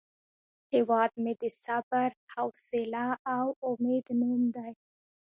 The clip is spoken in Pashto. هیواد مې د صبر، حوصله او امید نوم دی